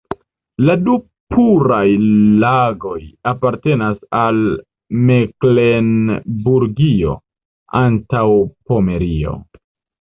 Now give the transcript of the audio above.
La du puraj lagoj apartenas al Meklenburgio-Antaŭpomerio.